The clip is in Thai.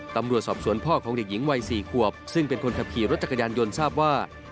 ตำรวจสอบสวนพ่อของเด็กหญิงวัย๔ขวบซึ่งเป็นคนขับขี่รถจักรยานยนต์ทราบว่า